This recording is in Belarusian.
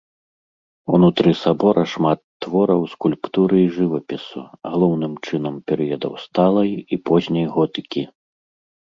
Унутры сабора шмат твораў скульптуры і жывапісу, галоўным чынам перыядаў сталай і позняй готыкі.